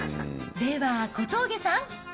では、小峠さん。